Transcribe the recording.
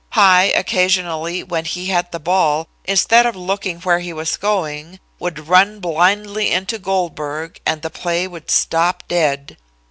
High, occasionally, when he had the ball, instead of looking where he was going, would run blindly into Goldberg and the play would stop dead.